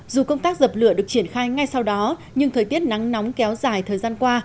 dù công tác dập lửa được triển khai ngay sau đó nhưng thời tiết nắng nóng kéo dài thời gian qua